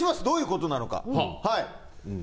どういうことなのか。